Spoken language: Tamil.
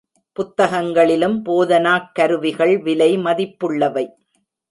புத்தகங்களிலும் போதனாக் கருவிகள் விலை மதிப்புள்ளவை.